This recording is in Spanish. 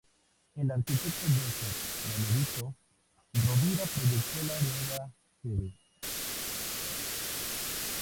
El arquitecto Josep Benedito i Rovira proyectó la nueva sede.